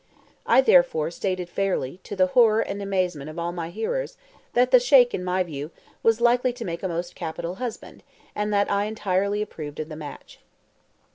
I, therefore, stated fairly, to the horror and amazement of all my hearers, that the Sheik, in my view, was likely to make a most capital husband, and that I entirely "approved of the match."